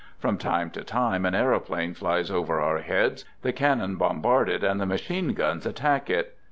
From time to time an aeroplane flies over oui heads ; the cannon bombard it and the machine guns attack it.